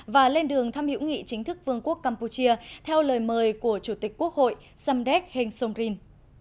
và lên đường thăm hữu nghị chính thức vương quốc campuchia theo lời mời của chủ tịch quốc hội samdek heng somrin